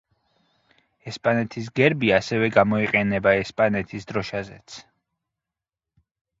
ესპანეთის გერბი ასევე გამოიყენება ესპანეთის დროშაზეც.